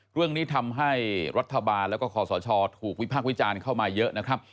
เรื่องนี้ทำให้รัฐบาลแล้วก็คอสชถูกวิพากษ์วิจารณ์เข้ามาเยอะนะครับ